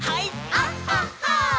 「あっはっは」